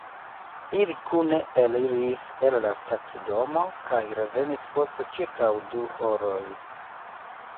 Ili kune eliris el la stacidomo kaj revenis post ĉirkaŭ du horoj.